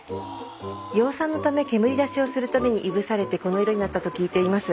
養蚕のため煙出しをするたびにいぶされてこの色になったと聞いています。